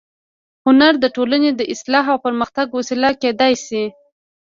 هنر د ټولنې د اصلاح او پرمختګ وسیله کېدای شي